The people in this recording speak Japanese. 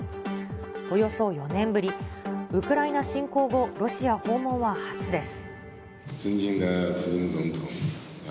およそ４年ぶり、ウクライナ侵攻後、ロシア訪問は初です。